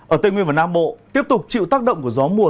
ở tây nguyên và nam bộ tiếp tục chịu tác động của gió mùa